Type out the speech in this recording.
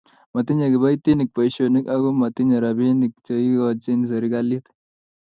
matinyei kiboitinik boisionik aku matinyei robinik che ikochini serikalit.